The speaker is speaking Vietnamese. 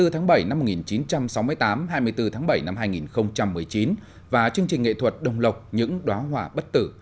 hai mươi tháng bảy năm một nghìn chín trăm sáu mươi tám hai mươi bốn tháng bảy năm hai nghìn một mươi chín và chương trình nghệ thuật đồng lộc những đoá hỏa bất tử